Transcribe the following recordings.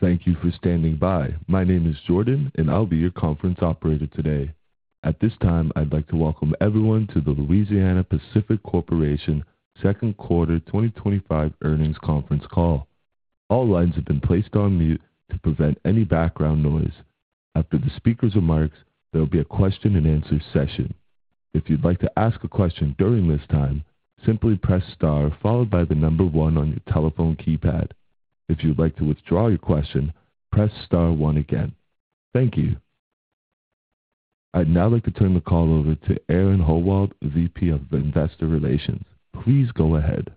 Thank you for standing by. My name is Jordan, and I'll be your conference operator today. At this time, I'd like to welcome everyone to the Louisiana-Pacific Corporation Second Quarter 2025 Earnings Conference Call. All lines have been placed on mute to prevent any background noise. After the speaker's remarks, there will be a question-and-answer session. If you'd like to ask a question during this time, simply press star followed by the number one on your telephone keypad. If you'd like to withdraw your question, press star one again. Thank you. I'd now like to turn the call over to Aaron Howald, Vice President of Investor Relations. Please go ahead.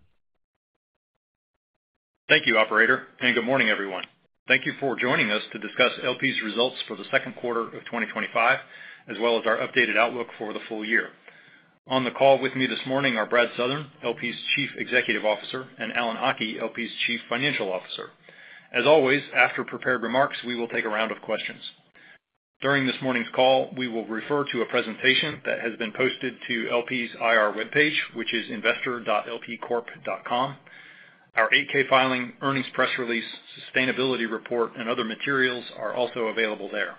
Thank you, Operator. Good morning, everyone. Thank you for joining us to discuss LP's results for the second quarter of 2025, as well as our updated outlook for the full year. On the call with me this morning are Brad Southern, LP's Chief Executive Officer, and Alan J. Haughie, LP's Chief Financial Officer. As always, after prepared remarks, we will take a round of questions. During this morning's call, we will refer to a presentation that has been posted to LP's IR webpage, which is investor.lpcorp.com. Our 8K filing, earnings press release, sustainability report, and other materials are also available there.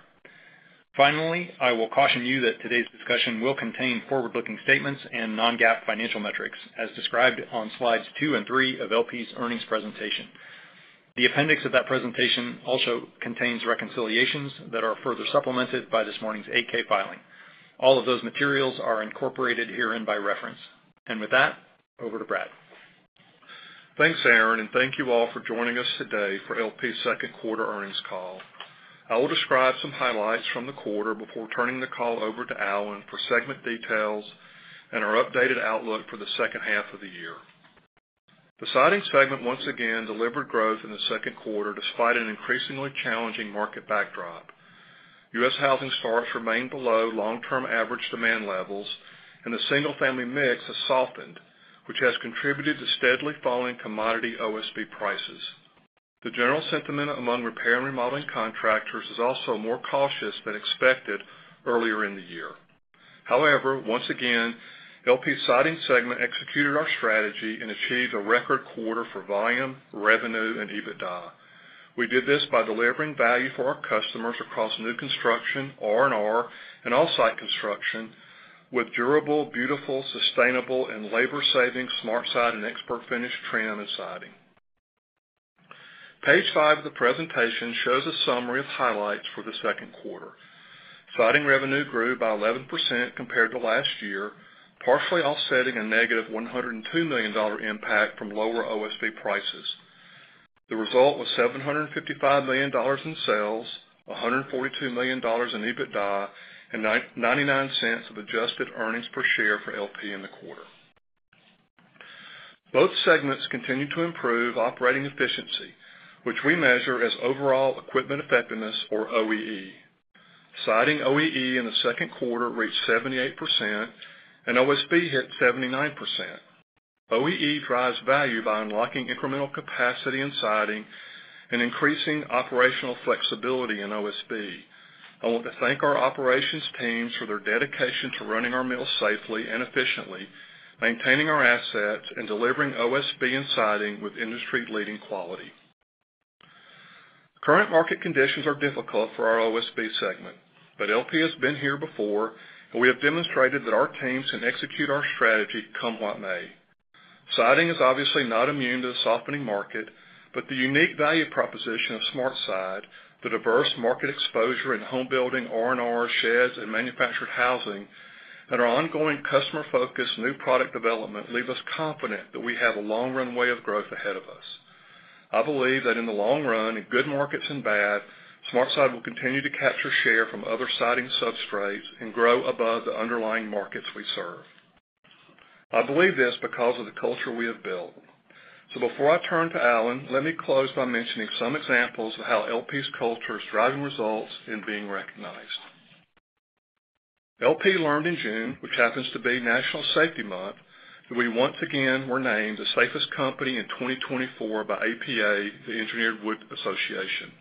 Finally, I will caution you that today's discussion will contain forward-looking statements and non-GAAP financial metrics, as described on slides two and three of LP's earnings presentation. The appendix of that presentation also contains reconciliations that are further supplemented by this morning's 8K filing. All of those materials are incorporated herein by reference. With that, over to Brad. Thanks, Aaron, and thank you all for joining us today for LP's second quarter earnings call. I will describe some highlights from the quarter before turning the call over to Alan for segment details and our updated outlook for the second half of the year. The Siding segment once again delivered growth in the second quarter despite an increasingly challenging market backdrop. U.S. housing stocks remain below long-term average demand levels, and the single-family mix has softened, which has contributed to steadily falling commodity OSB prices. The general sentiment among repair and remodeling contractors is also more cautious than expected earlier in the year. However, once again, LP's Siding segment executed our strategy and achieved a record quarter for volume, revenue, and EBITDA. We did this by delivering value for our customers across new construction, R&R, and all site construction with durable, beautiful, sustainable, and labor-saving SmartSide and ExpertFinish Trim and Siding. Page five of the presentation shows a summary of highlights for the second quarter. Siding revenue grew by 11% compared to last year, partially offsetting a negative $102 million impact from lower OSB prices. The result was $755 million in sales, $142 million in EBITDA, and $0.99 of adjusted earnings per share for LP in the quarter. Both segments continue to improve operating efficiency, which we measure as overall equipment effectiveness, or OEE. Siding OEE in the second quarter reached 78%, and OSB hit 79%. OEE drives value by unlocking incremental capacity in Siding and increasing operational flexibility in OSB. I want to thank our operations teams for their dedication to running our mill safely and efficiently, maintaining our assets, and delivering OSB and Siding with industry-leading quality. Current market conditions are difficult for our OSB segment, but LP has been here before, and we have demonstrated that our teams can execute our strategy come what may. Siding is obviously not immune to the softening market, but the unique value proposition of SmartSide, the diverse market exposure in home building, R&R, sheds, and manufactured housing, and our ongoing customer-focused new product development leave us confident that we have a long runway of growth ahead of us. I believe that in the long run, in good markets and bad, SmartSide will continue to capture share from other siding substrates and grow above the underlying markets we serve. I believe this because of the culture we have built. Before I turn to Alan, let me close by mentioning some examples of how LP's culture is driving results in being recognized. LP learned in June, which happens to be National Safety Month, that we once again were named the safest company in 2024 by APA – The Engineered Wood Association.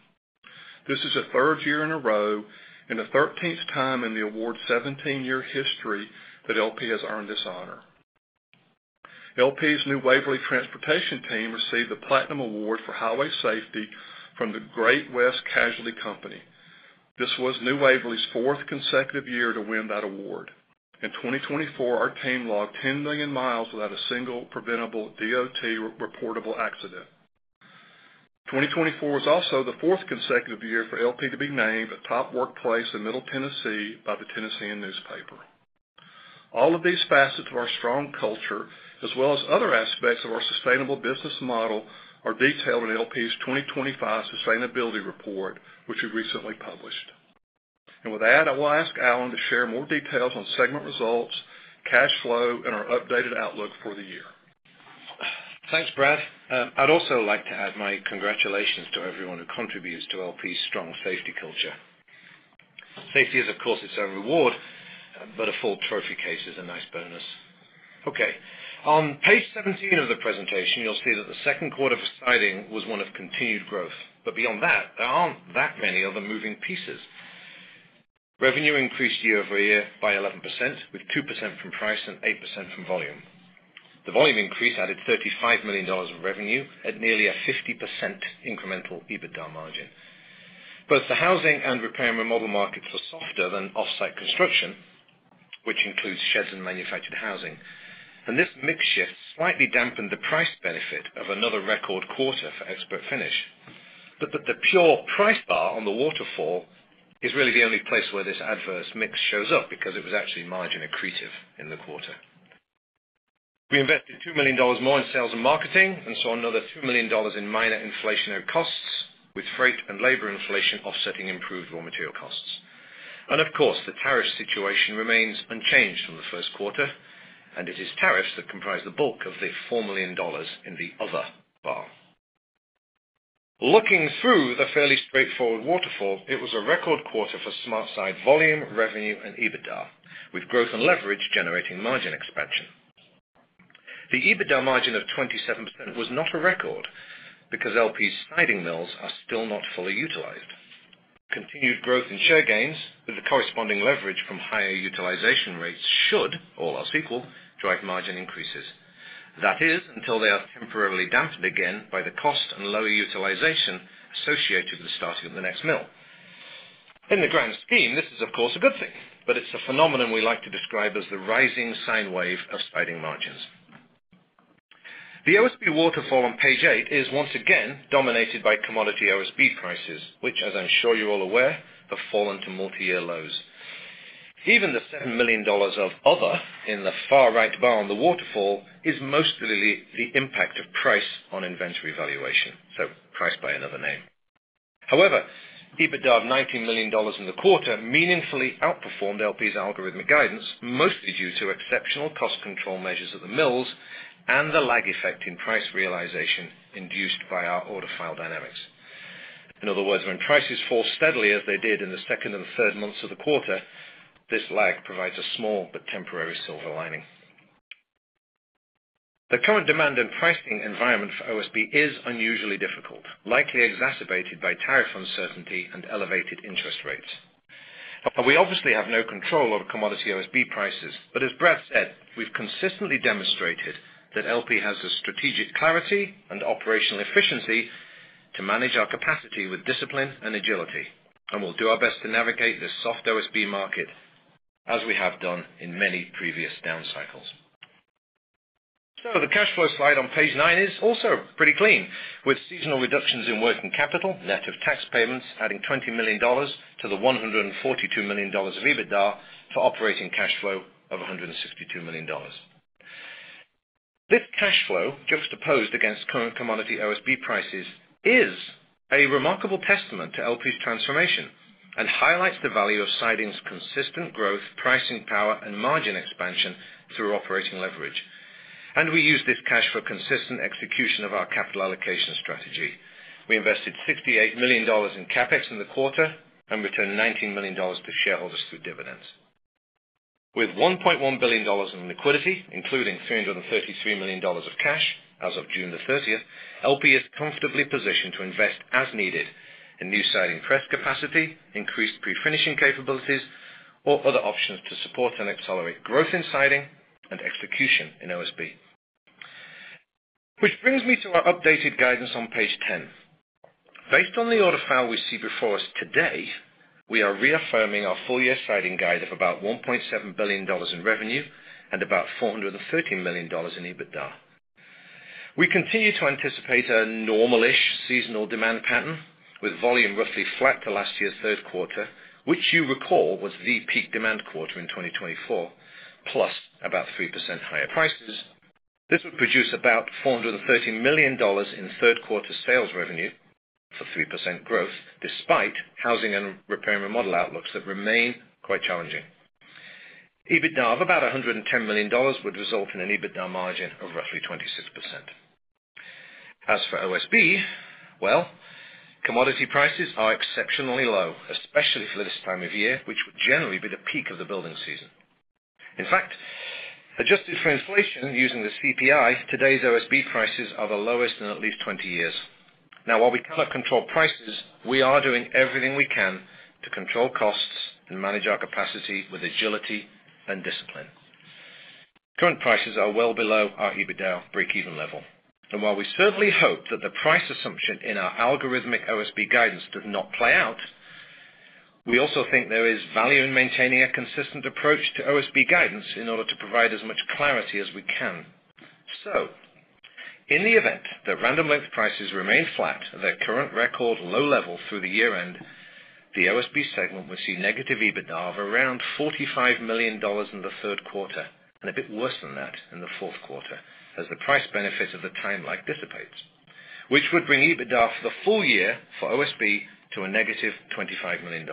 This is the third year in a row and the 13th time in the award's 17-year history that LP has earned this honor. LP's New Waverly Transportation team received the Platinum Award for Highway Safety from Great West Casualty Company. This was New Waverly's fourth consecutive year to win that award. In 2024, our team logged 10 million mi without a single preventable DOT reportable accident. 2024 was also the fourth consecutive year for LP to be named a top workplace in Middle Tennessee by the Tennessean newspaper. All of these facets of our strong culture, as well as other aspects of our sustainable business model, are detailed in LP's 2025 Sustainability Report, which we recently published. With that, I will ask Alan to share more details on segment results, cash flow, and our updated outlook for the year. Thanks, Brad. I'd also like to add my congratulations to everyone who contributes to LP's strong safety culture. Safety is, of course, its own reward, but a full trophy case is a nice bonus. Okay. On page 17 of the presentation, you'll see that the second quarter for Siding was one of continued growth, but beyond that, there aren't that many other moving pieces. Revenue increased year-over-year by 11%, with 2% from price and 8% from volume. The volume increase added $35 million of revenue at nearly a 50% incremental EBITDA margin. Both the housing and repair and remodel markets are softer than offsite construction, which includes sheds and manufactured housing. This mix shift slightly dampened the price benefit of another record quarter for ExpertFinish. The pure price bar on the waterfall is really the only place where this adverse mix shows up because it was actually margin accretive in the quarter. We invested $2 million more in sales and marketing and saw another $2 million in minor inflationary costs, with freight and labor inflation offsetting improved raw material costs. The tariff situation remains unchanged from the first quarter, and it is tariffs that comprise the bulk of the $4 million in the other bar. Looking through the fairly straightforward waterfall, it was a record quarter for SmartSide volume, revenue, and EBITDA, with growth and leverage generating margin expansion. The EBITDA margin of 27% was not a record because LP's Siding mills are still not fully utilized. Continued growth in share gains, with the corresponding leverage from higher utilization rates, should, all else equal, drive margin increases. That is, until they are temporarily dampened again by the cost and lower utilization associated with the starting of the next mill. In the grand scheme, this is, of course, a good thing, but it's a phenomenon we like to describe as the rising sine wave of Siding margins. The OSB waterfall on page eight is once again dominated by commodity OSB prices, which, as I'm sure you're all aware, have fallen to multi-year lows. Even the $7 million of other in the far right bar on the waterfall is mostly the impact of price on inventory valuation, so price by another name. However, EBITDA of $19 million in the quarter meaningfully outperformed LP's algorithmic guidance, mostly due to exceptional cost control measures at the mills and the lag effect in price realization induced by our order file dynamics. In other words, when prices fall steadily as they did in the second and third months of the quarter, this lag provides a small but temporary silver lining. The current demand and pricing environment for OSB is unusually difficult, likely exacerbated by tariff uncertainty and elevated interest rates. We obviously have no control over commodity OSB prices, but as Brad said, we've consistently demonstrated that LP has the strategic clarity and operational efficiency to manage our capacity with discipline and agility, and we'll do our best to navigate this soft OSB market, as we have done in many previous down cycles. The cash flow slide on page nine is also pretty clean, with seasonal reductions in working capital, net of tax payments adding $20 million to the $142 million of EBITDA for operating cash flow of $162 million. This cash flow, juxtaposed against current commodity OSB prices, is a remarkable testament to LP's transformation and highlights the value of Siding's consistent growth, pricing power, and margin expansion through operating leverage. We use this cash for consistent execution of our capital allocation strategy. We invested $68 million in capex in the quarter and returned $19 million to shareholders through dividends. With $1.1 billion in liquidity, including $333 million of cash as of June 30, LP is comfortably positioned to invest as needed in new Siding press capacity, increased pre-finishing capabilities, or other options to support and accelerate growth in Siding and execution in OSB. This brings me to our updated guidance on page 10. Based on the order file we see before us today, we are reaffirming our full-year Siding guide of about $1.7 billion in revenue and about $413 million in EBITDA. We continue to anticipate a normal-ish seasonal demand pattern, with volume roughly flat to last year's third quarter, which you recall was the peak demand quarter in 2024, plus about 3% higher prices. This would produce about $413 million in third-quarter sales revenue for 3% growth, despite housing and repair and remodel outlooks that remain quite challenging. EBITDA of about $110 million would result in an EBITDA margin of roughly 26%. As for OSB, commodity prices are exceptionally low, especially for this time of year, which would generally be the peak of the building season. In fact, adjusted for inflation using the CPI, today's OSB prices are the lowest in at least 20 years. Now, while we cannot control prices, we are doing everything we can to control costs and manage our capacity with agility and discipline. Current prices are well below our EBITDA break-even level. While we certainly hope that the price assumption in our algorithmic OSB guidance does not play out, we also think there is value in maintaining a consistent approach to OSB guidance in order to provide as much clarity as we can. In the event the random length prices remain flat at their current record low level through the year-end, the OSB segment would see negative EBITDA of around $45 million in the third quarter and a bit worse than that in the fourth quarter as the price benefit of the time lag dissipates, which would bring EBITDA for the full year for OSB to a negative $25 million.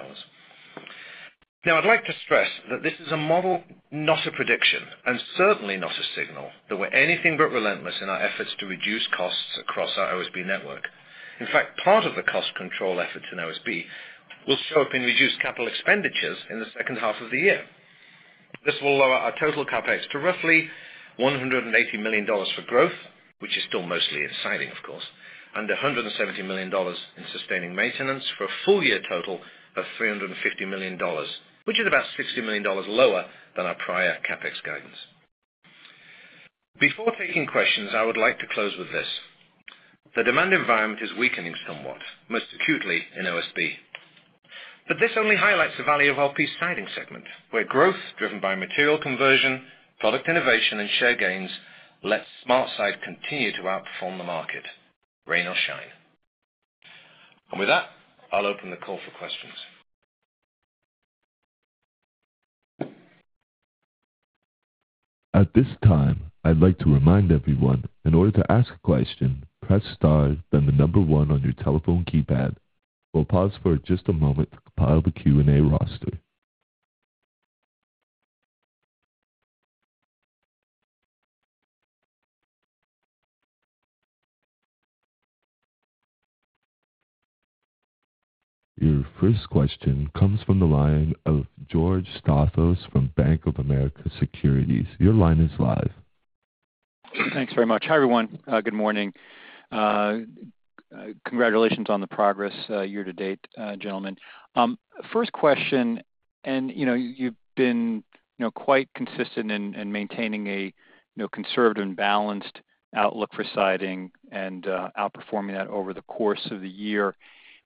I'd like to stress that this is a model, not a prediction, and certainly not a signal that we're anything but relentless in our efforts to reduce costs across our OSB network. In fact, part of the cost control efforts in OSB will show up in reduced capital expenditures in the second half of the year. This will lower our total capex to roughly $180 million for growth, which is still mostly in Siding, of course, and $170 million in sustaining maintenance for a full-year total of $350 million, which is about $60 million lower than our prior capex guidance. Before taking questions, I would like to close with this. The demand environment is weakening somewhat, most acutely in OSB. This only highlights the value of LP's Siding segment, where growth driven by material conversion, product innovation, and share gains lets SmartSide continue to outperform the market, rain or shine. With that, I'll open the call for questions. At this time, I'd like to remind everyone, in order to ask a question, press star, then the number one on your telephone keypad. We'll pause for just a moment to compile the Q&A roster. Your first question comes from the line of George Staphos from Bank of America Securities. Your line is live. Thanks very much. Hi, everyone. Good morning. Congratulations on the progress year to date, gentlemen. First question, you've been quite consistent in maintaining a conservative and balanced outlook for Siding and outperforming that over the course of the year.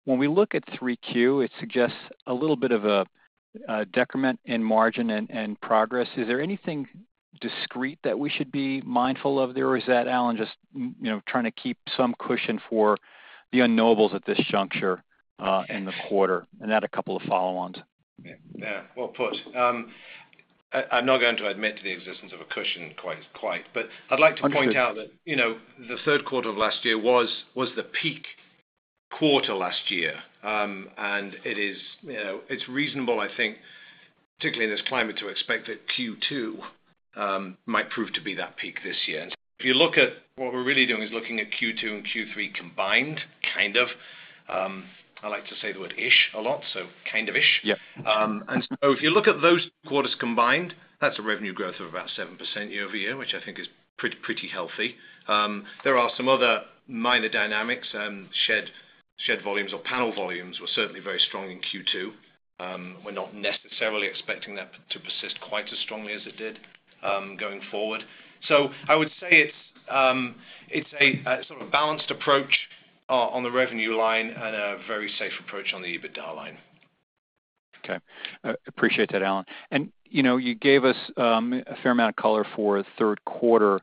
When we look at 3Q, it suggests a little bit of a decrement in margin and progress. Is there anything discrete that we should be mindful of there, or is that Alan just trying to keep some cushion for the unknowables at this juncture in the quarter? A couple of follow-ons. Yeah, well put. I'm not going to admit to the existence of a cushion quite as quite, but I'd like to point out that the third quarter of last year was the peak quarter last year. It's reasonable, I think, particularly in this climate, to expect that Q2 might prove to be that peak this year. If you look at what we're really doing is looking at Q2 and Q3 combined, kind of. I like to say the word "ish" a lot, so kind of "ish." If you look at those quarters combined, that's a revenue growth of about 7% year-over-year, which I think is pretty healthy. There are some other minor dynamics. Shed volumes or panel volumes were certainly very strong in Q2. We're not necessarily expecting that to persist quite as strongly as it did going forward. I would say it's a sort of a balanced approach on the revenue line and a very safe approach on the EBITDA line. Okay. Appreciate that, Alan. You gave us a fair amount of color for third quarter.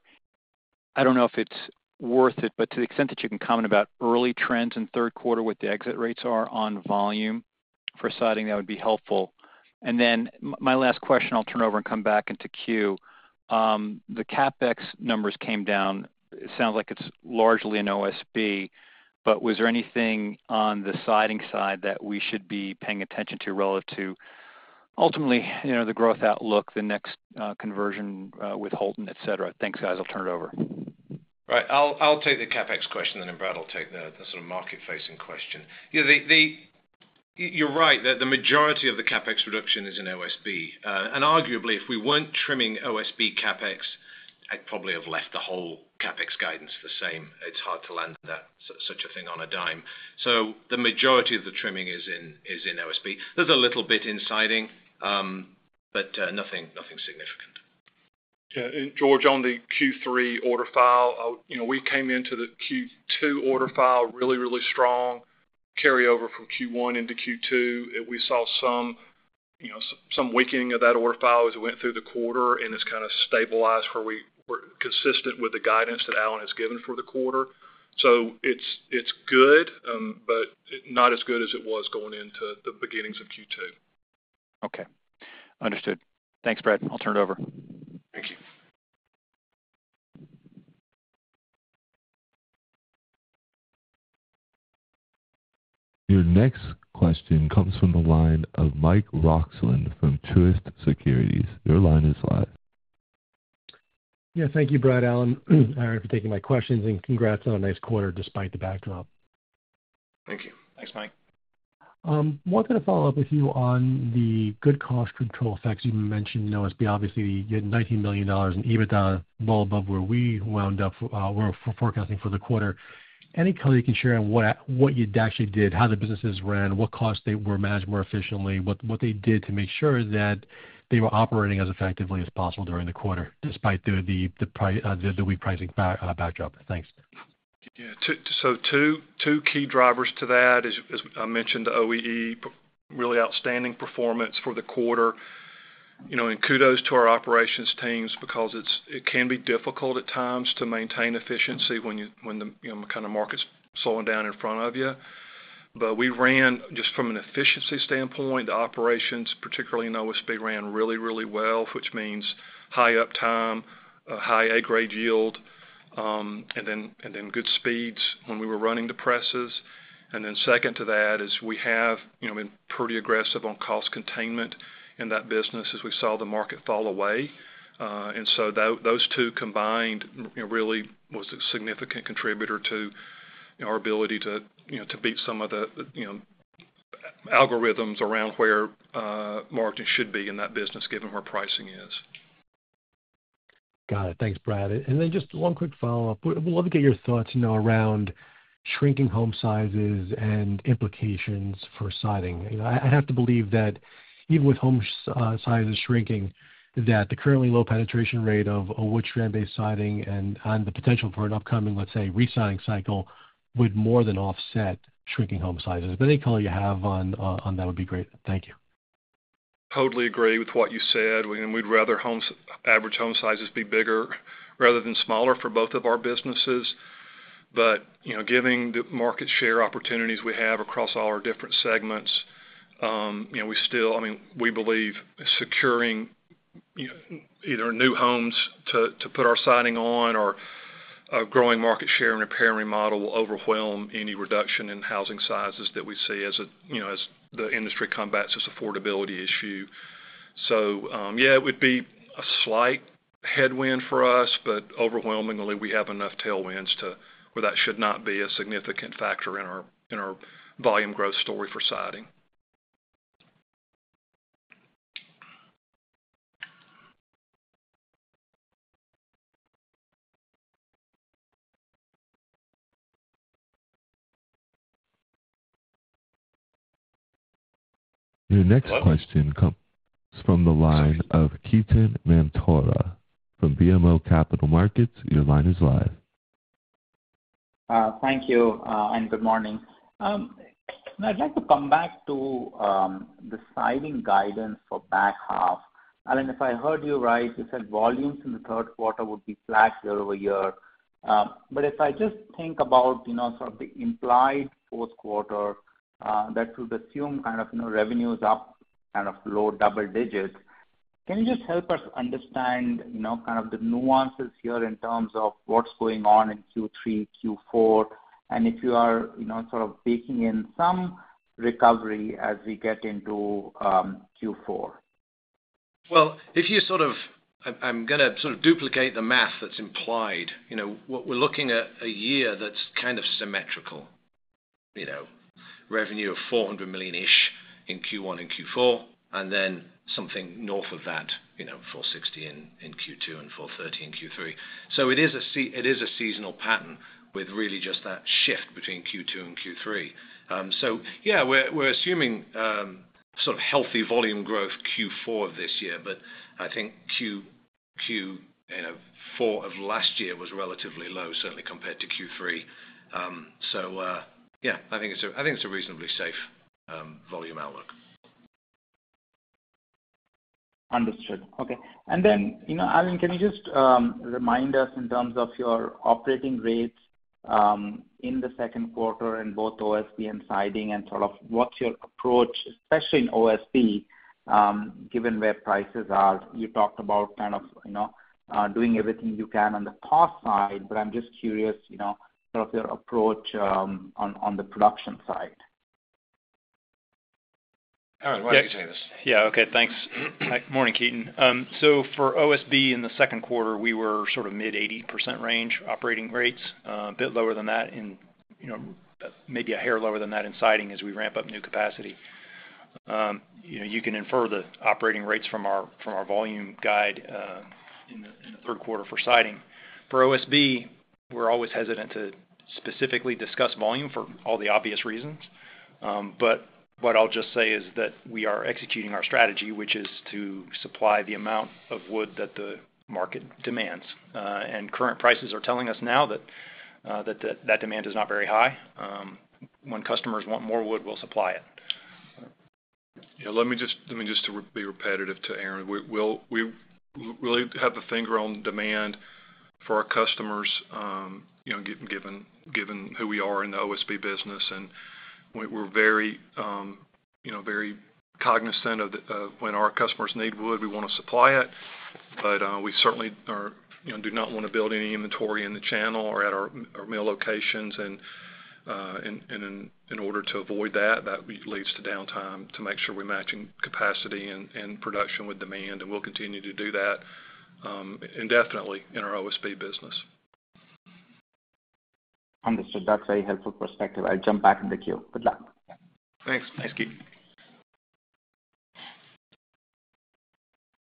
I don't know if it's worth it, but to the extent that you can comment about early trends in third quarter, what the exit rates are on volume for Siding, that would be helpful. My last question, I'll turn over and come back into queue. The CapEx numbers came down. It sounds like it's largely in OSB, but was there anything on the Siding side that we should be paying attention to relative to ultimately the growth outlook, the next conversion with Holton, etc.? Thanks, guys. I'll turn it over. Right. I'll take the capex question, and then Brad will take the sort of market-facing question. You're right that the majority of the capex reduction is in OSB. Arguably, if we weren't trimming OSB capex, I'd probably have left the whole capex guidance the same. It's hard to land such a thing on a dime. The majority of the trimming is in OSB. There's a little bit in Siding, but nothing significant. Yeah. George, on the Q3 order file, we came into the Q2 order file really, really strong. Carryover from Q1 into Q2. We saw some weakening of that order file as it went through the quarter, and it has kind of stabilized where we were consistent with the guidance that Alan has given for the quarter. It is good, but not as good as it was going into the beginnings of Q2. Okay. Understood. Thanks, Brad. I'll turn it over. Thank you. Your next question comes from the line of Michael Roxland from Truist Securities. Your line is live. Yeah, thank you, Brad, Alan, and Aaron for taking my questions, and congrats on a nice quarter despite the backdrop. Thank you. Thanks, Mike. I wanted to follow up with you on the good cost control effects you mentioned in OSB. Obviously, you had $19 million in EBITDA, well above where we wound up forecasting for the quarter. Any color you can share on what you actually did, how the businesses ran, what costs they were managed more efficiently, what they did to make sure that they were operating as effectively as possible during the quarter, despite the weak pricing backdrop? Thanks. Yeah. Two key drivers to that, as I mentioned, the OEE really outstanding performance for the quarter. Kudos to our operations teams because it can be difficult at times to maintain efficiency when the kind of market's slowing down in front of you. We ran, just from an efficiency standpoint, the operations, particularly in OSB, ran really, really well, which means high uptime, a high A-grade yield, and then good speeds when we were running the presses. Second to that is we have been pretty aggressive on cost containment in that business as we saw the market fall away. Those two combined really was a significant contributor to our ability to beat some of the algorithms around where margins should be in that business given where pricing is. Got it. Thanks, Brad. Just one quick follow-up. We'd love to get your thoughts around shrinking home sizes and implications for siding. I have to believe that even with home sizes shrinking, the currently low penetration rate of wood strand-based siding and the potential for an upcoming, let's say, residing cycle would more than offset shrinking home sizes. Any color you have on that would be great. Thank you. Totally agree with what you said. We'd rather average home sizes be bigger rather than smaller for both of our businesses. Given the market share opportunities we have across all our different segments, we believe securing either new homes to put our siding on or a growing market share in repair and remodel will overwhelm any reduction in housing sizes that we see as the industry combats this affordability issue. It would be a slight headwind for us, but overwhelmingly, we have enough tailwinds to where that should not be a significant factor in our volume growth story for siding. Your next question comes from the line of Ketan Mamtora from BMO Capital Markets. Your line is live. Thank you, and good morning. I'd like to come back to the Siding guidance for back half. If I heard you right, you said volumes in the third quarter would be flat year-over-year. If I just think about sort of the implied fourth quarter, that would assume revenues up kind of low double digits. Can you just help us understand the nuances here in terms of what's going on in Q3, Q4, and if you are sort of baking in some recovery as we get into Q4? If you sort of, I'm going to sort of duplicate the math that's implied. You know, we're looking at a year that's kind of symmetrical. You know, revenue of $400 million-ish in Q1 and Q4, and then something north of that, you know, $460 million in Q2 and $430 million in Q3. It is a seasonal pattern with really just that shift between Q2 and Q3. Yeah, we're assuming sort of healthy volume growth Q4 of this year, but I think Q4 of last year was relatively low, certainly compared to Q3. I think it's a reasonably safe volume outlook. Understood. Okay. Alan, can you just remind us in terms of your operating rates in the second quarter in both OSB and Siding and what's your approach, especially in OSB, given where prices are? You talked about doing everything you can on the cost side, but I'm just curious, your approach on the production side. Alan, why don't you take this? Yeah, okay. Thanks. Morning, Ketan. For OSB in the second quarter, we were sort of mid-80% range operating rates, a bit lower than that in, you know, maybe a hair lower than that in Siding as we ramp up new capacity. You can infer the operating rates from our volume guide in the third quarter for Siding. For OSB, we're always hesitant to specifically discuss volume for all the obvious reasons. What I'll just say is that we are executing our strategy, which is to supply the amount of wood that the market demands. Current prices are telling us now that that demand is not very high. When customers want more wood, we'll supply it. Yeah, let me just be repetitive to Alan. We really have the finger on demand for our customers, you know, given who we are in the OSB business. We're very, you know, very cognizant of when our customers need wood, we want to supply it. We certainly do not want to build any inventory in the channel or at our mill locations. In order to avoid that, that leads to downtime to make sure we're matching capacity and production with demand. We'll continue to do that indefinitely in our OSB business. Understood. That's a very helpful perspective. I'll jump back into queue. Good luck. Thanks. Thanks, Keaton.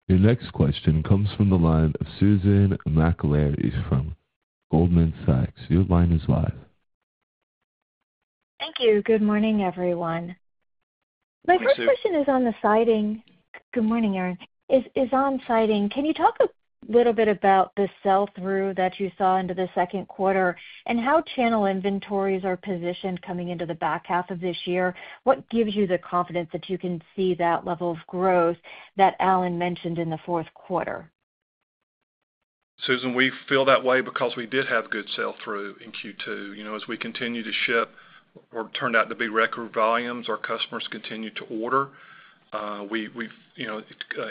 Your next question comes from the line of Susan Maklari from Goldman Sachs. Your line is live. Thank you. Good morning, everyone. My first question is on the Siding. Good morning, Alan. Can you talk a little bit about the sell-through that you saw into the second quarter and how channel inventories are positioned coming into the back half of this year? What gives you the confidence that you can see that level of growth that Alan mentioned in the fourth quarter? Susan, we feel that way because we did have good sell-through in Q2. As we continue to ship what turned out to be record volumes, our customers continue to order.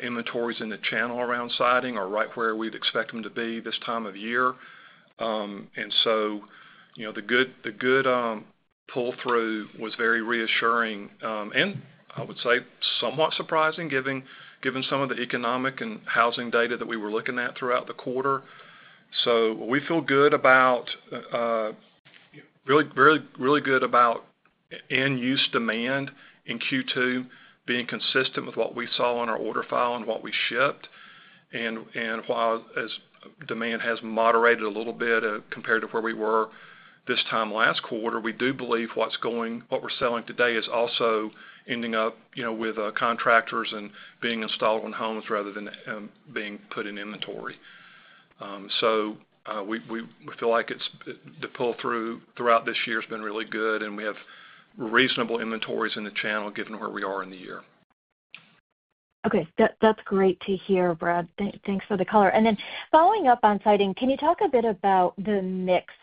Inventories in the channel around Siding are right where we'd expect them to be this time of year. The good pull-through was very reassuring. I would say somewhat surprising given some of the economic and housing data that we were looking at throughout the quarter. We feel really good about end-use demand in Q2 being consistent with what we saw on our order file and what we shipped. While demand has moderated a little bit compared to where we were this time last quarter, we do believe what we're selling today is also ending up with contractors and being installed in homes rather than being put in inventory. We feel like the pull-through throughout this year has been really good, and we have reasonable inventories in the channel given where we are in the year. Okay. That's great to hear, Brad. Thanks for the color. Following up on Siding, can you talk a bit about the mix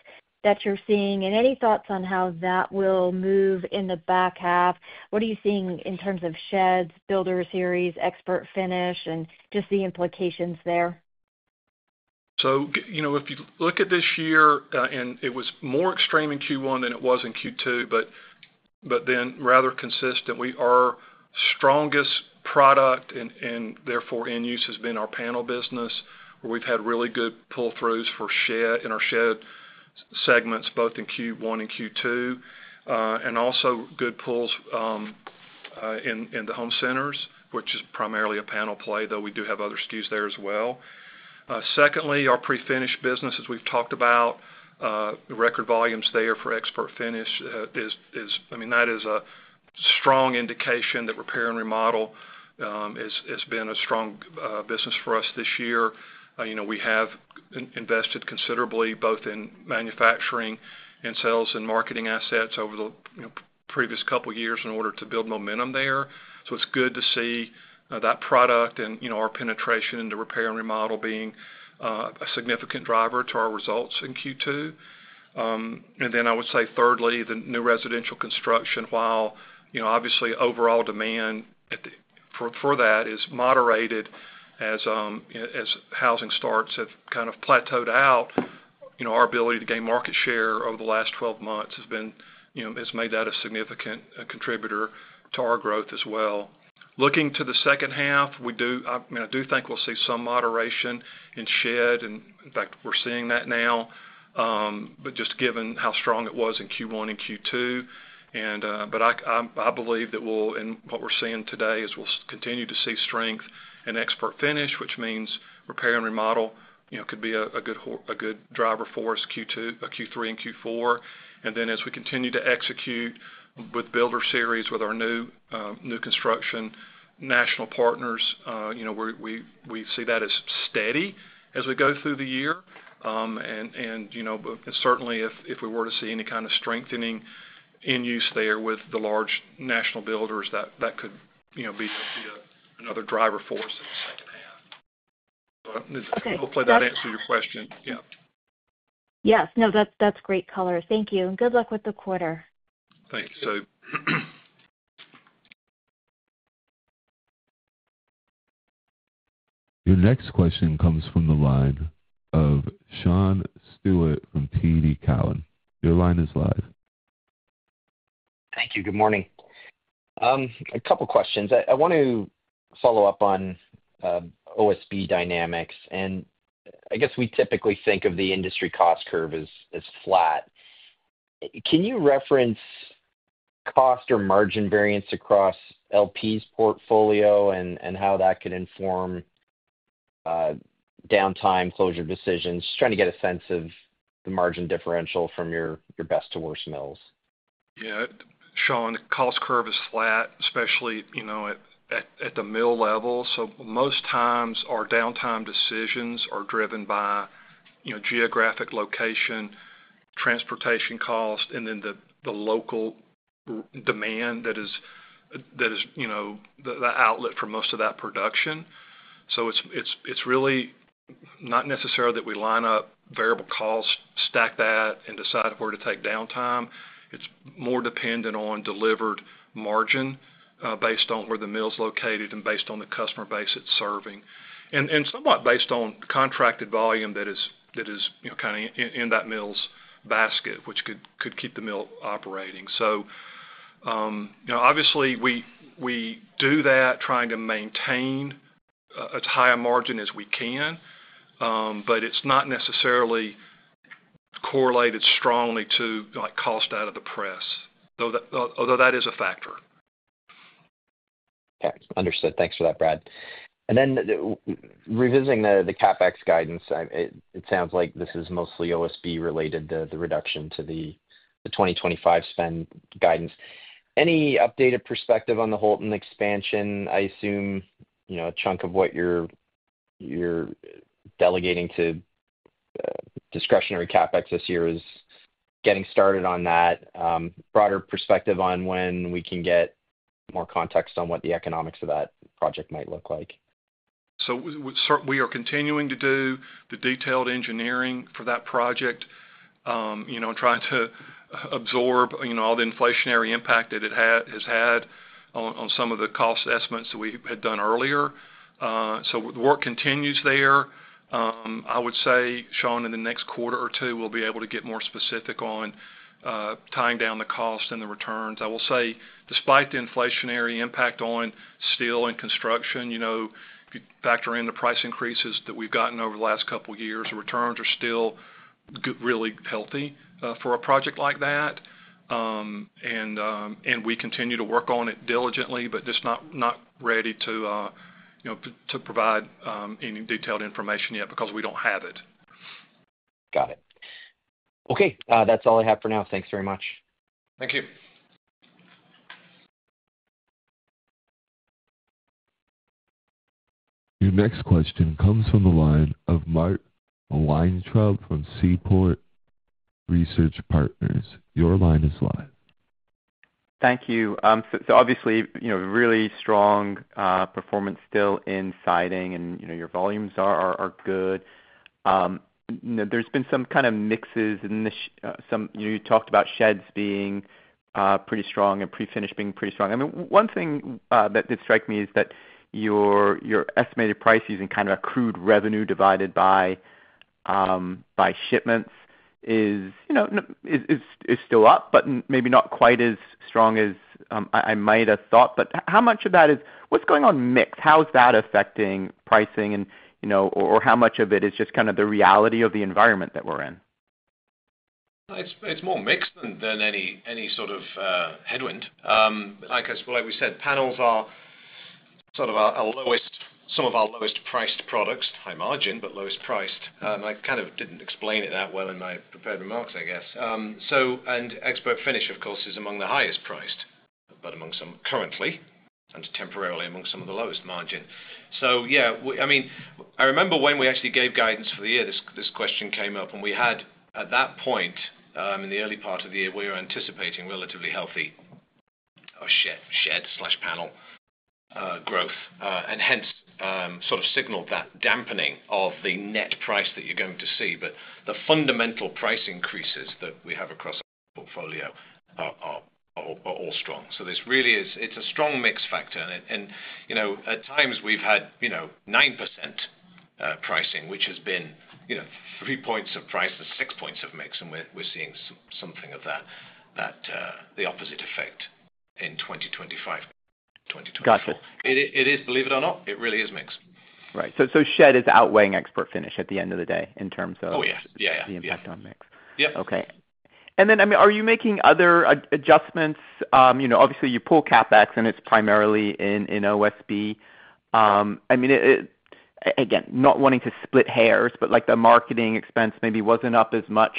that you're seeing and any thoughts on how that will move in the back half? What are you seeing in terms of sheds, BuilderSeries, ExpertFinish, and just the implications there? If you look at this year, and it was more extreme in Q1 than it was in Q2, but then rather consistent. Our strongest product and therefore end use has been our panel business, where we've had really good pull-throughs in our shed segments both in Q1 and Q2. Also, good pulls in the home centers, which is primarily a panel play, though we do have other SKUs there as well. Secondly, our pre-finish business, as we've talked about, the record volumes there for ExpertFinish, I mean, that is a strong indication that repair and remodel has been a strong business for us this year. We have invested considerably both in manufacturing and sales and marketing assets over the previous couple of years in order to build momentum there. It's good to see that product and our penetration into repair and remodel being a significant driver to our results in Q2. Thirdly, the new residential construction, while obviously overall demand for that has moderated as housing starts have kind of plateaued out, our ability to gain market share over the last 12 months has made that a significant contributor to our growth as well. Looking to the second half, I do think we'll see some moderation in shed. In fact, we're seeing that now, just given how strong it was in Q1 and Q2. I believe that what we're seeing today is we'll continue to see strength in ExpertFinish, which means repair and remodel could be a good driver for us Q3 and Q4. As we continue to execute with BuilderSeries, with our new construction national partners, we see that as steady as we go through the year. Certainly, if we were to see any kind of strengthening end use there with the large national builders, that could be another driver for us in the second half. Hopefully, that answered your question. Yeah. Yes, that's great color. Thank you, and good luck with the quarter. Thanks. Your next question comes from the line of Sean Steuart from TD Cowen. Your line is live. Thank you. Good morning. A couple of questions. I want to follow up on OSB dynamics. I guess we typically think of the industry cost curve as flat. Can you reference cost or margin variance across LP's portfolio and how that could inform downtime closure decisions? Just trying to get a sense of the margin differential from your best to worst mills. Yeah. Sean, cost curve is flat, especially at the mill level. Most times, our downtime decisions are driven by geographic location, transportation cost, and then the local demand that is the outlet for most of that production. It's really not necessarily that we line up variable costs, stack that, and decide where to take downtime. It's more dependent on delivered margin based on where the mill's located and based on the customer base it's serving, and somewhat based on contracted volume that is kind of in that mill's basket, which could keep the mill operating. Obviously, we do that trying to maintain as high a margin as we can, but it's not necessarily correlated strongly to cost out of the press, although that is a factor. Understood. Thanks for that, Brad. Revisiting the capex guidance, it sounds like this is mostly OSB related, the reduction to the 2025 spend guidance. Any updated perspective on the Holton expansion? I assume a chunk of what you're delegating to discretionary capex this year is getting started on that. Broader perspective on when we can get more context on what the economics of that project might look like. We are continuing to do the detailed engineering for that project. I'm trying to absorb all the inflationary impact that it has had on some of the cost estimates that we had done earlier. The work continues there. I would say, Sean, in the next quarter or two, we'll be able to get more specific on tying down the cost and the returns. I will say, despite the inflationary impact on steel and construction, if you factor in the price increases that we've gotten over the last couple of years, the returns are still really healthy for a project like that. We continue to work on it diligently, but just not ready to provide any detailed information yet because we don't have it. Got it. Okay, that's all I have for now. Thanks very much. Thank you. Your next question comes from the line of Mark Weintraub from Seaport Research Partners. Your line is live. Thank you. Obviously, you know, really strong performance still in Siding, and you know your volumes are good. There's been some kind of mixes in this. You talked about sheds being pretty strong and pre-finish being pretty strong. One thing that did strike me is that your estimated prices and kind of accrued revenue divided by shipments is still up, but maybe not quite as strong as I might have thought. How much of that is what's going on mixed? How is that affecting pricing? You know, or how much of it is just kind of the reality of the environment that we're in? It's more mixed than any sort of headwind. Like we said, panels are sort of some of our lowest priced products, high margin, but lowest priced. I kind of didn't explain it that well in my prepared remarks, I guess. ExpertFinish, of course, is among the highest priced, but among some currently and temporarily among some of the lowest margin. Yeah, I mean, I remember when we actually gave guidance for the year, this question came up. At that point in the early part of the year, we were anticipating relatively healthy shed/panel growth, and hence sort of signaled that dampening of the net price that you're going to see. The fundamental price increases that we have across the portfolio are all strong. This really is, it's a strong mix factor. At times we've had 9% pricing, which has been three points of price to six points of mix. We're seeing something of that, the opposite effect in 2025. Gotcha. It is, believe it or not, it really is mixed. Right. So shed is outweighing ExpertFinish at the end of the day in terms of the impact on mix? Oh yeah, yeah. Okay. Are you making other adjustments? Obviously, you pull capex, and it's primarily in OSB. Not wanting to split hairs, but the marketing expense maybe wasn't up as much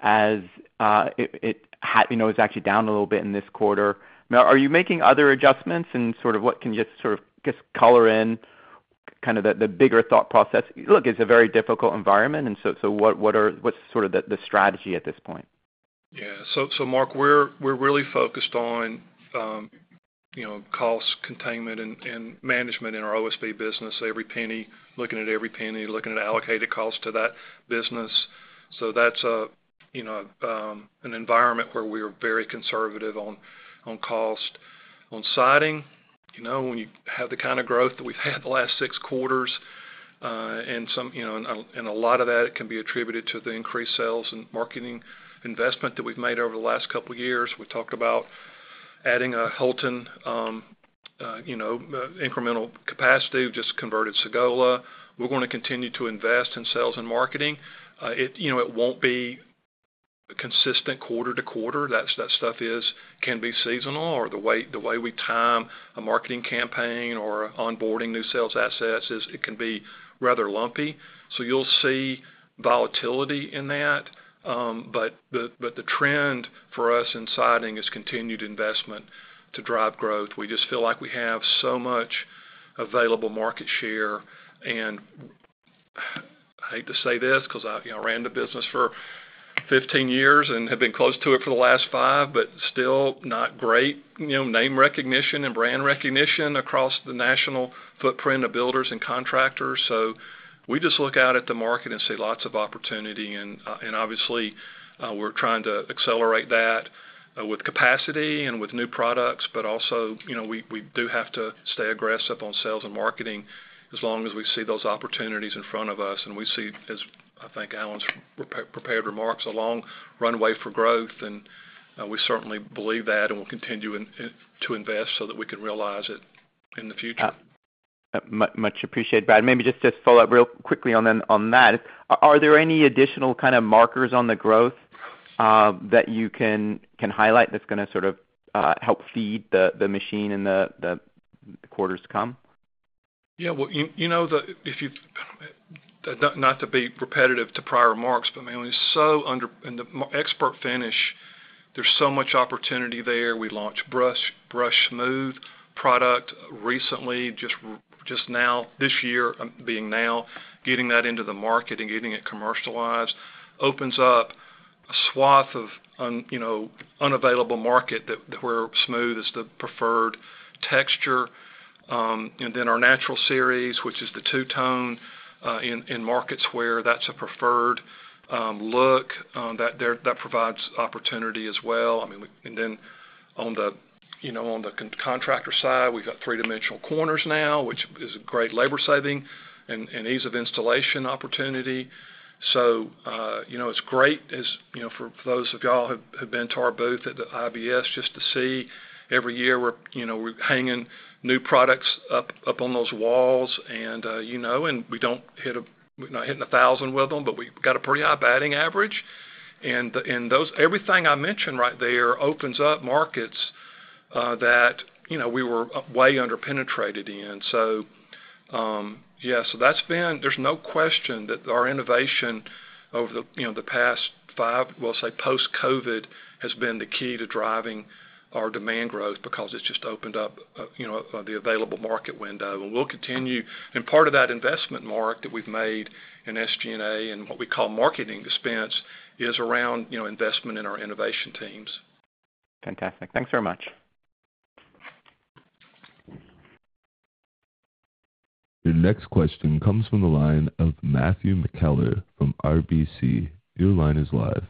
as it was actually down a little bit in this quarter. Are you making other adjustments? What can you just color in kind of the bigger thought process? Look, it's a very difficult environment. What's the strategy at this point? Yeah. Mark, we're really focused on cost containment and management in our OSB business. Every penny, looking at every penny, looking at allocated cost to that business. That's an environment where we are very conservative on cost. On Siding, when you have the kind of growth that we've had the last six quarters, and a lot of that can be attributed to the increased sales and marketing investment that we've made over the last couple of years. We talked about adding a Holton incremental capacity, just converted Sagola. We're going to continue to invest in sales and marketing. It won't be consistent quarter to quarter. That stuff can be seasonal, or the way we time a marketing campaign or onboarding new sales assets, it can be rather lumpy. You'll see volatility in that. The trend for us in Siding is continued investment to drive growth. We just feel like we have so much available market share. I hate to say this because I ran the business for 15 years and have been close to it for the last five, but still not great name recognition and brand recognition across the national footprint of builders and contractors. We just look out at the market and see lots of opportunity. Obviously, we're trying to accelerate that with capacity and with new products. Also, we do have to stay aggressive on sales and marketing as long as we see those opportunities in front of us. We see, as I think Alan's prepared remarks, a long runway for growth. We certainly believe that and will continue to invest so that we can realize it in the future. Much appreciated, Brad. Maybe just to follow up real quickly on that, are there any additional kind of markers on the growth that you can highlight that's going to sort of help feed the machine in the quarters to come? Yeah. If you've, not to be repetitive to prior remarks, but I mean, we're so under in the ExpertFinish, there's so much opportunity there. We launched Brush Smooth product recently, just now, this year, being now, getting that into the market and getting it commercialized opens up a swath of unavailable market where smooth is the preferred texture. Then our Naturals Collection, which is the two-tone, in markets where that's a preferred look, that provides opportunity as well. I mean, on the contractor side, we've got three-dimensional corners now, which is a great labor saving and ease of installation opportunity. It's great as, for those of y'all who have been to our booth at the IBS just to see every year we're hanging new products up on those walls. We don't hit a, we're not hitting 1,000 with them, but we've got a pretty high batting average. Everything I mentioned right there opens up markets that we were way underpenetrated in. That's been, there's no question that our innovation over the past five, we'll say post-COVID, has been the key to driving our demand growth because it's just opened up the available market window. We'll continue. Part of that investment, Mark, that we've made in SG&A and what we call marketing expense is around investment in our innovation teams. Fantastic. Thanks very much. Your next question comes from the line of Matthew McKellar from RBC. Your line is live.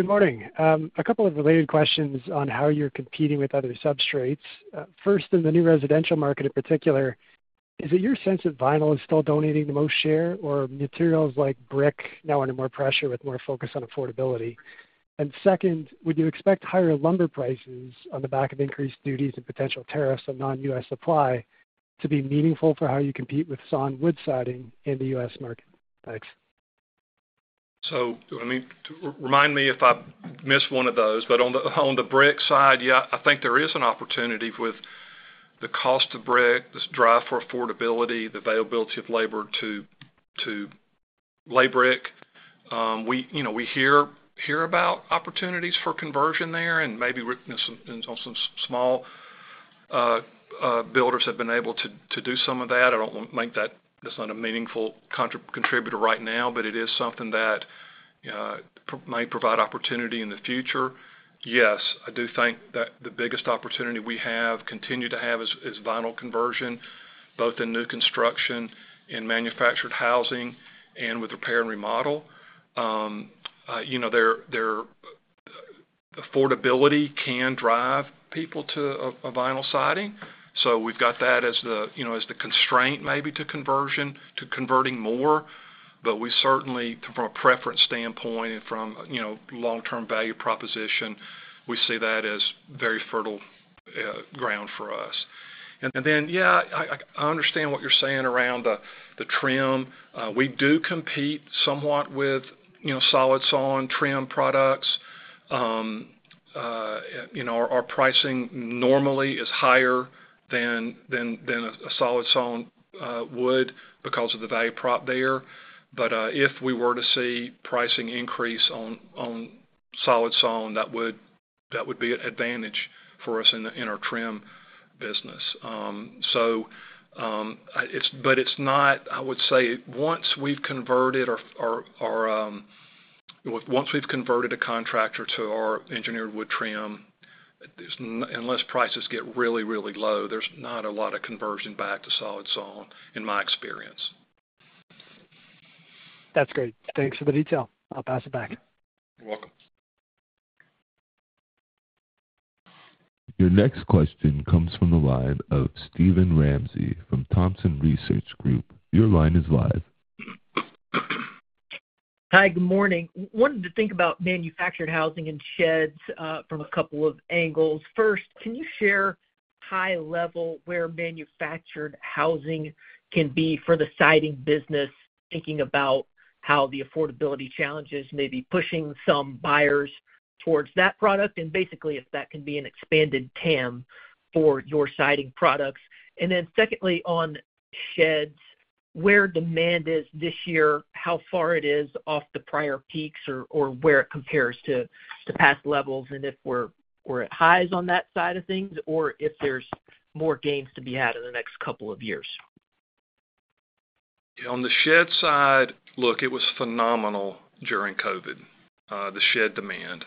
Good morning. A couple of related questions on how you're competing with other substrates. First, in the new residential market in particular, is it your sense that vinyl is still donating the most share, or are materials like brick now under more pressure with more focus on affordability? Second, would you expect higher lumber prices on the back of increased duties and potential tariffs on non-U.S. supply to be meaningful for how you compete with sawn wood siding in the U.S. market? Thanks. Remind me if I missed one of those. On the brick side, I think there is an opportunity with the cost of brick, this drive for affordability, the availability of labor to lay brick. We hear about opportunities for conversion there, and maybe some small builders have been able to do some of that. I don't want to make that this is not a meaningful contributor right now, but it is something that may provide opportunity in the future. I do think that the biggest opportunity we have continued to have is vinyl conversion, both in new construction and manufactured housing and with repair and remodel. Affordability can drive people to a vinyl siding. We've got that as the constraint maybe to conversion, to converting more. We certainly, from a preference standpoint and from a long-term value proposition, see that as very fertile ground for us. I understand what you're saying around the trim. We do compete somewhat with solid sawn trim products. Our pricing normally is higher than a solid sawn wood because of the value prop there. If we were to see pricing increase on solid sawn, that would be an advantage for us in our trim business. It's not, I would say, once we've converted a contractor to our engineered wood trim, unless prices get really, really low, there's not a lot of conversion back to solid sawn, in my experience. That's great. Thanks for the detail. I'll pass it back. Your next question comes from the line of Steven Ramsey from Thompson Research Group. Your line is live. Hi, good morning. Wanted to think about manufactured housing and sheds from a couple of angles. First, can you share high level where manufactured housing can be for the Siding business, thinking about how the affordability challenges may be pushing some buyers towards that product? Basically, if that can be an expanded TAM for your Siding products. Secondly, on sheds, where demand is this year, how far it is off the prior peaks, or where it compares to past levels, and if we're at highs on that side of things, or if there's more gains to be had in the next couple of years. On the shed side, look, it was phenomenal during COVID, the shed demand.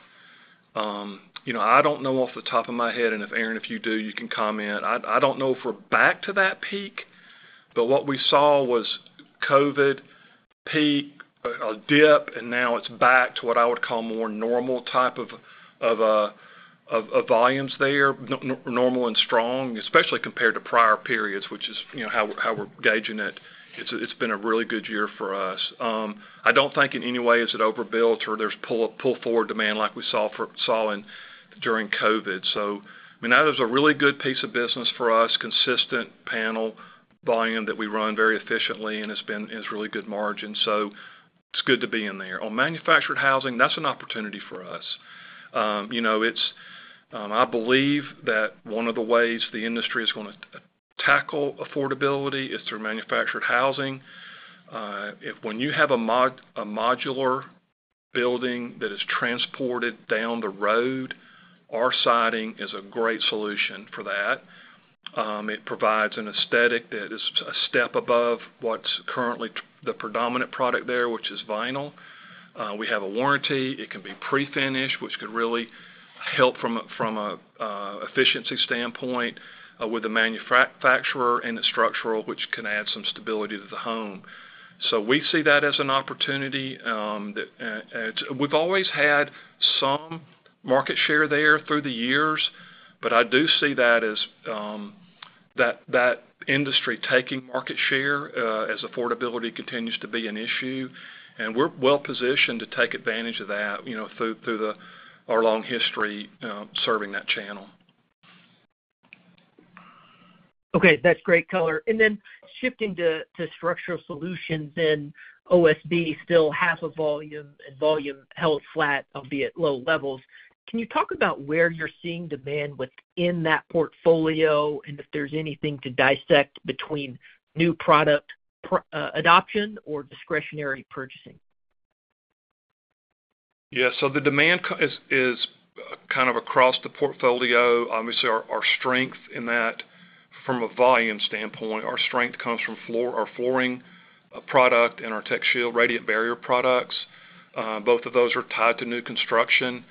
I don't know off the top of my head, and if Alan, if you do, you can comment. I don't know if we're back to that peak, but what we saw was COVID peak, a dip, and now it's back to what I would call more normal type of volumes there, normal and strong, especially compared to prior periods, which is how we're gauging it. It's been a really good year for us. I don't think in any way is it overbuilt or there's pull-forward demand like we saw during COVID. That is a really good piece of business for us, consistent panel volume that we run very efficiently and has really good margins. It's good to be in there. On manufactured housing, that's an opportunity for us. I believe that one of the ways the industry is going to tackle affordability is through manufactured housing. When you have a modular building that is transported down the road, our siding is a great solution for that. It provides an aesthetic that is a step above what's currently the predominant product there, which is vinyl. We have a warranty. It can be pre-finished, which could really help from an efficiency standpoint with the manufacturer and the structural, which can add some stability to the home. We see that as an opportunity. We've always had some market share there through the years, but I do see that as that industry taking market share as affordability continues to be an issue. We're well positioned to take advantage of that, you know, through our long history serving that channel. Okay. That's great color. Shifting to Structural Solutions, OSB is still half of volume and volume held flat, albeit at low levels. Can you talk about where you're seeing demand within that portfolio and if there's anything to dissect between new product adoption or discretionary purchasing? Yeah. The demand is kind of across the portfolio. Obviously, our strength in that from a volume standpoint comes from our flooring product and our TechShield radiant barrier products. Both of those are tied to new construction.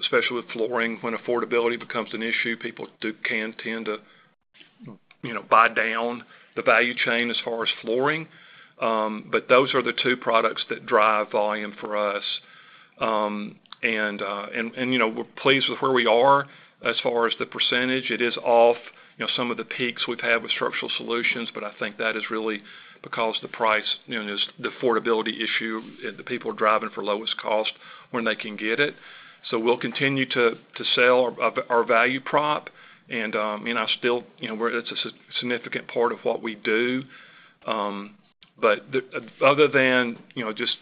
Especially with flooring, when affordability becomes an issue, people can tend to buy down the value chain as far as flooring. Those are the two products that drive volume for us. We're pleased with where we are as far as the percentage. It is off some of the peaks we've had with Structural Solutions, but I think that is really because of the price, the affordability issue, people driving for lowest cost when they can get it. We'll continue to sell our value prop. I mean, it's a significant part of what we do. Other than just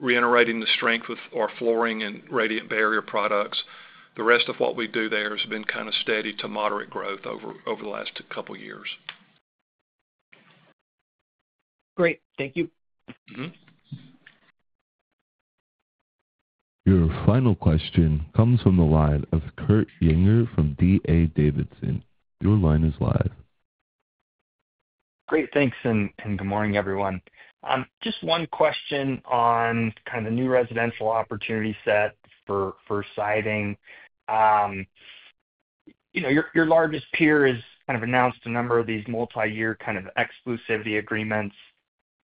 reiterating the strength with our flooring and radiant barrier products, the rest of what we do there has been kind of steady to moderate growth over the last couple of years. Great, thank you. Your final question comes from the line of Kurt Yinger from DA Davidson. Your line is live. Great. Thanks. Good morning, everyone. Just one question on kind of the new residential opportunity set for Siding. Your largest peer has announced a number of these multi-year exclusivity agreements.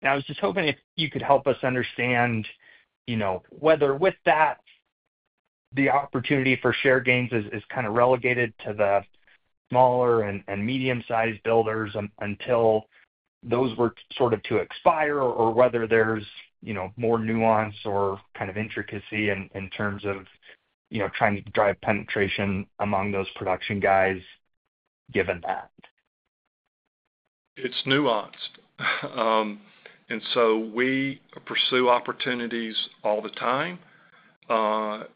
I was just hoping if you could help us understand whether, with that, the opportunity for share gains is relegated to the smaller and medium-sized builders until those were to expire, or whether there's more nuance or intricacy in terms of trying to drive penetration among those production guys given that. It's nuanced. We pursue opportunities all the time.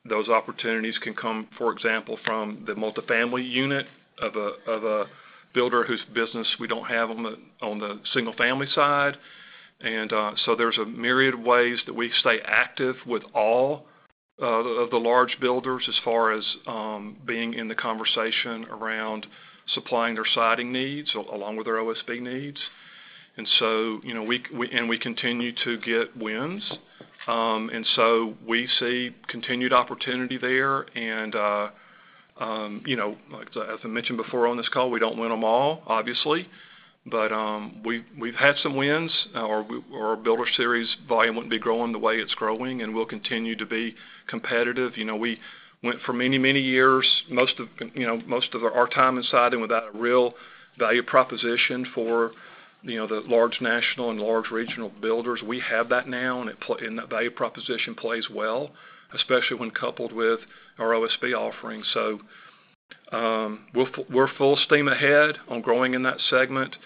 Those opportunities can come, for example, from the multifamily unit of a builder whose business we don't have on the single-family side. There's a myriad of ways that we stay active with all of the large builders as far as being in the conversation around supplying their Siding needs along with their OSB needs. We continue to get wins. We see continued opportunity there. As I mentioned before on this call, we don't win them all, obviously. We've had some wins or our BuilderSeries volume wouldn't be growing the way it's growing, and we'll continue to be competitive. We went for many, many years, most of our time in Siding, without a real value proposition for the large national and large regional builders. We have that now, and that value proposition plays well, especially when coupled with our OSB offering. We're full steam ahead on growing in that segment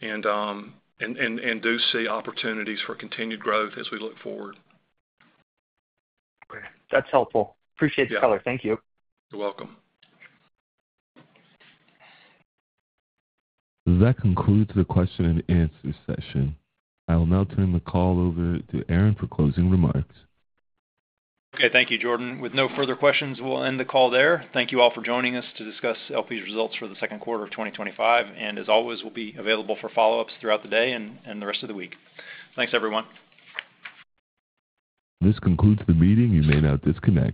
and do see opportunities for continued growth as we look forward. Okay. That's helpful. Appreciate the color. Thank you. You're welcome. That concludes the question-and-answer session. I will now turn the call over to Aaron Howald for closing remarks. Okay. Thank you, Jordan. With no further questions, we'll end the call there. Thank you all for joining us to discuss LP's results for the second quarter of 2025. As always, we'll be available for follow-ups throughout the day and the rest of the week. Thanks, everyone. This concludes the meeting. You may now disconnect.